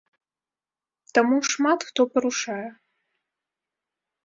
Таму шмат хто парушае.